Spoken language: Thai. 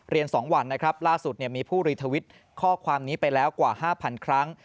เรียน๒วันล่าสุดมีผู้รีทวิตข้อความนี้ไปละกว่า๕๐๐๐ครั้ง